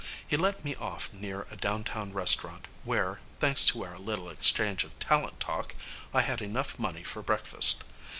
He let me off near a downtown restaurant where, thanks to our little exchange of talent talk, I had enough money for breakfast.